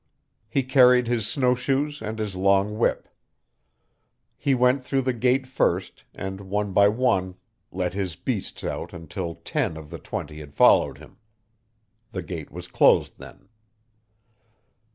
He carried his snowshoes and his long whip. He went through the gate first and one by one let his beasts out until ten of the twenty had followed him. The gate was closed then.